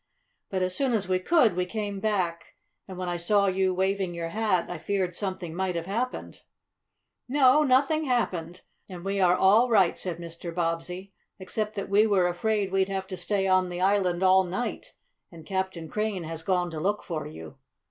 But as soon as we could we came back, and when I saw you waving your hat I feared something might have happened." "No, nothing happened. And we are all right," said Mr. Bobbsey, "except that we were afraid we'd have to stay on the island all night. And Captain Crane has gone to look for you."